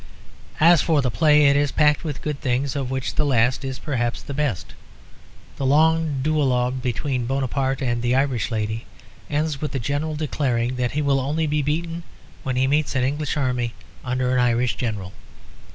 As for the play, it is packed with good things, of which the last is perhaps the best. The long duologue between Bonaparte and the Irish lady ends with the General declaring that he will only be beaten when he meets an English army under an Irish general.